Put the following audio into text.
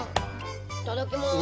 いただきます。